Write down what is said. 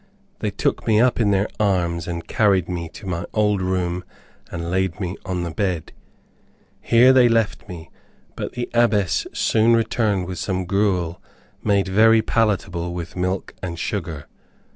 They took me up in their arms and carried me to my old room and laid me on the bed. Here they left me, but the Abbess soon returned with some gruel made very palatable with milk and sugar.